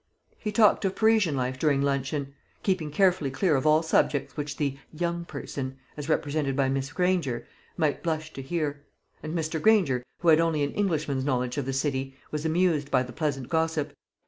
He talked of Parisian life during luncheon, keeping carefully clear of all subjects which the "young person," as represented by Miss Granger, might blush to hear; and Mr. Granger, who had only an Englishman's knowledge of the city, was amused by the pleasant gossip.